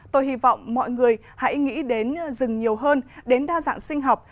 tôi hy vọng mọi người hãy nghĩ đến rừng nhiều hơn đến đa dạng sinh học